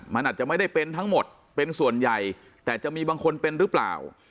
มันอาจจะไม่ได้เป็นทั้งหมดเป็นส่วนใหญ่แต่จะมีบางคนเป็นหรือเปล่า